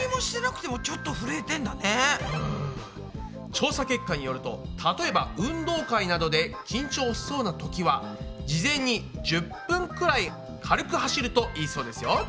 調査結果によると例えば運動会などで緊張しそうなときは事前に１０分くらい軽く走るといいそうですよ。